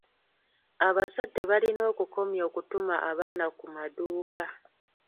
Abazadde balina okukomya okutuma abaana ku maduuka.